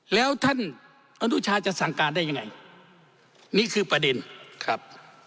แล้วท่านอนุชาจะสั่งการได้ยังไงนี่คือประเด็นครับ